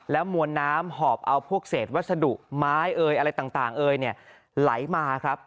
แล้วมวลน้ำหอบเอาพวกเศษวัสดุไม้อะไรต่างไหลมา